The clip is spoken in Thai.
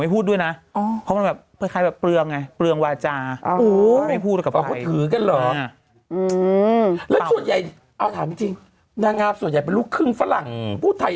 ไม่พูดด้วยนะกระทรายแบบทานกับเรือไงเรื่องฟาจาอ้อไม่พูดออกไปฮึกหรออืมตามจิงแล้วแล้วงาตร์ส่วนใหญ่เป็นลูกครึ่งฝรั่งพูดไทย